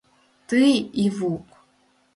«Тый, Ивук